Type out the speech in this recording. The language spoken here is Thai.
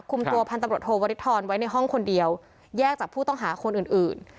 คุมตัวพันตำรวจโทวริทรไว้ในห้องคนเดียวแยกจากผู้ต้องหาคนอื่นอื่น